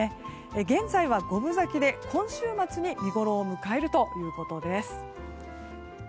現在は五分咲きで今週末に見ごろを迎えるということです。